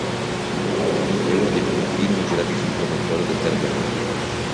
È uno dei primi film girati sul promontorio del Gargano.